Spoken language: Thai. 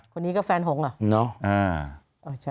คนนี้ก็แฟนหงอ่ะเนาะ